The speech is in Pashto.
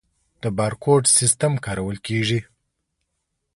د بارکوډ سیستم کارول کیږي؟